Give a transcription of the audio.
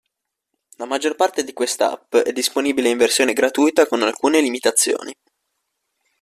La maggior parte di queste app è disponibile in versione gratuita con alcune limitazioni.